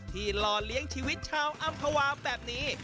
หล่อเลี้ยงชีวิตชาวอำภาวาแบบนี้